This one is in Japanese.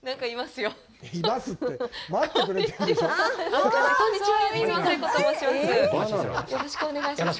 よろしくお願いします。